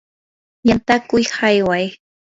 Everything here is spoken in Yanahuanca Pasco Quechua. yantakuq ayway.